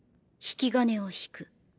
引き金を引く。